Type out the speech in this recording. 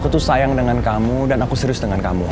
aku tuh sayang dengan kamu dan aku serius dengan kamu